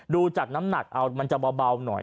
ดูจากน้ำหนักเอามันจะเบาหน่อย